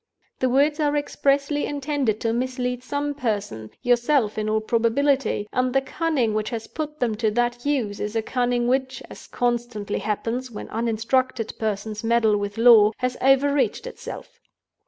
The words are expressly intended to mislead some person—yourself in all probability—and the cunning which has put them to that use is a cunning which (as constantly happens when uninstructed persons meddle with law) has overreached itself.